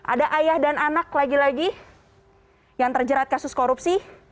ada ayah dan anak lagi lagi yang terjerat kasus korupsi